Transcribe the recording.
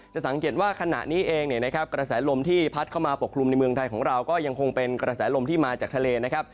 สังเกตว่าขณะนี้เองเนี่ยนะครับกระแสลมที่พัดเข้ามาปกคลุมในเมืองไทยของเราก็ยังคงเป็นกระแสลมที่มาจากทะเลนะครับ